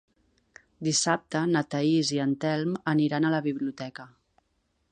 Dissabte na Thaís i en Telm aniran a la biblioteca.